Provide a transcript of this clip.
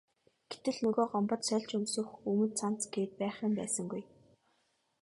Гэтэл нөгөө Гомбод сольж өмсөх өмд цамц гээд байх юм байсангүй.